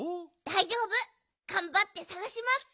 だいじょうぶがんばってさがします。